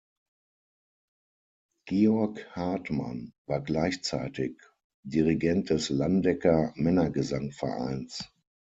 Georg Hartmann war gleichzeitig Dirigent des Landecker Männergesangvereins.